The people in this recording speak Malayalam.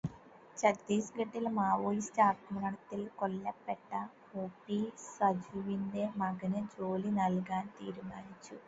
ഛത്തീസ്ഗഡില് മാവോയിസ്റ്റ് ആക്രമണത്തില് കൊല്ലപ്പെട്ട ഒ.പി. സാജുവിന്റെ മകന് ജോലി നൽകാൻ തീരുമാനിച്ചു.